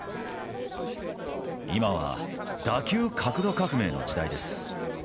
今は打球角度革命の時代です。